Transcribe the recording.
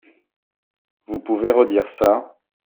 Vous pouvez redire ça ?